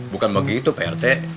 bukan begitu pak rt